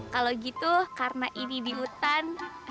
kalau gitu karena ini di hutan